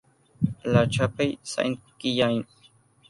La Chapelle-Saint-Quillain